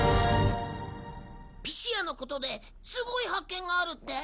ピシアのことですごい発見があるって？